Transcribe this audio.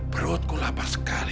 berikut poproses ini sykannya